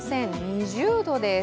２０度です。